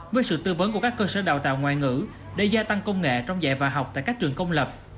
với sự tư vấn của các cơ sở đào tạo ngoại ngữ để gia tăng công nghệ trong dạy và học tại các trường công lập